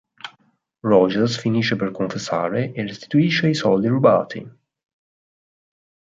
Rogers finisce per confessare e restituisce i soldi rubati.